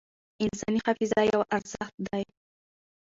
انساني حافظه یو ارزښت دی.